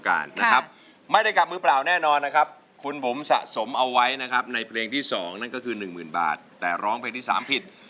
ขอใช้ประมูลให้กับคุณปุ๊มนะครับ